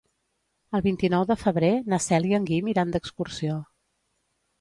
El vint-i-nou de febrer na Cel i en Guim iran d'excursió.